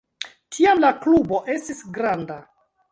Tiam la klubo estis granda.